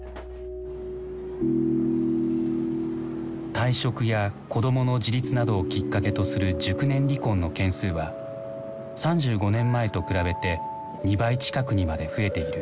退職や子どもの自立などをきっかけとする熟年離婚の件数は３５年前と比べて２倍近くにまで増えている。